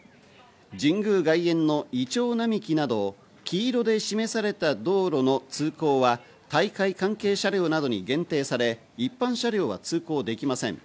神宮外苑のいちょう並木など黄色で示された道路の通行は大会関係車両などに限定され、一般車両は通行できません。